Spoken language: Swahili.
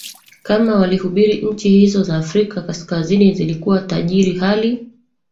kama walihubiri Nchi hizo za Afrika Kaskazini zilikuwa tajiri Hali